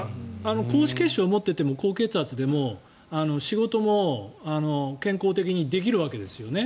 高脂血症を持っていても高血圧でも仕事も健康的にできるわけですよね。